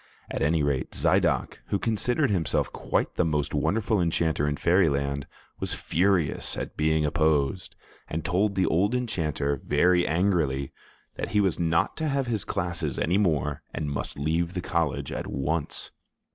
At any rate, Zidoc, who considered himself quite the most wonderful enchanter in Fairyland, was furious at being opposed, and told the old enchanter, very angrily, that he was not to have his classes any more and must leave the college at once.